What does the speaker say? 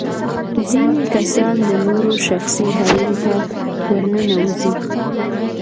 ځينې کسان د نورو شخصي حريم ته ورننوزي.